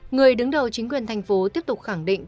người đứng đầu chính quyền thành phố tiếp tục khẳng định